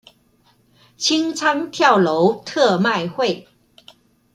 清倉跳樓特賣會